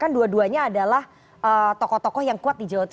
kan dua duanya adalah tokoh tokoh yang kuat di jawa timur